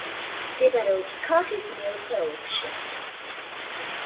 მდებარეობს ქალაქის მეოთხე ოლქში.